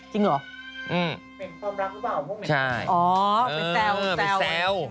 จริงเหรอเป็นความรักหรือเปล่าพวกเหมือนกัน